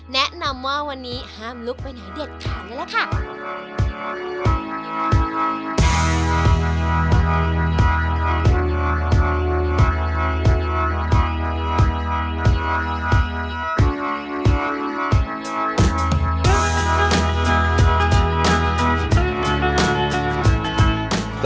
แนะนำว่าวันนี้ห้ามลุกไปไหนเด็ดขาดเลยล่ะค่ะ